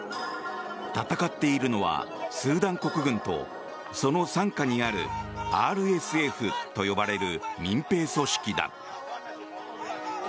戦っているのは、スーダン国軍とその傘下にあるＲＳＦと呼ばれる民兵組織だ。